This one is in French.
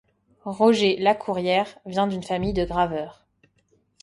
Roger Lacourière vient d'une famille de graveurs.